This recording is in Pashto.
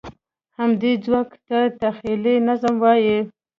همدې ځواک ته تخیلي نظم وایي.